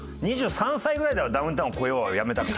２３歳ぐらいでは「ダウンタウンを超えよう」はやめたから。